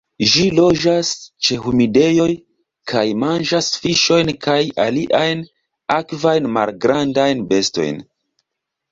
Ĝi loĝas ĉe humidejoj kaj manĝas fiŝojn kaj aliajn akvajn malgrandajn bestojn.